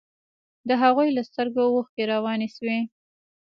د هغوى له سترګو اوښكې روانې سوې.